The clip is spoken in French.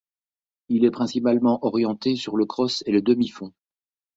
Il est principalement orienté sur le cross et le demi-fond.